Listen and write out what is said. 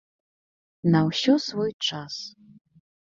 На ўсё свой час!